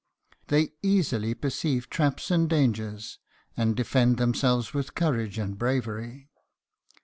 They easily perceive traps and dangers, and defend themselves with courage and bravery.